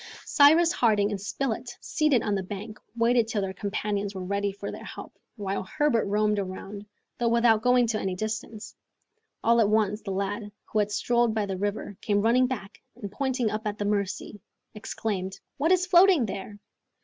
Cyrus Harding and Spilett, seated on the bank, waited till their companions were ready for their help, while Herbert roamed about, though without going to any distance. All at once, the lad, who had strolled by the river, came running back, and, pointing up the Mercy, exclaimed, "What is floating there?"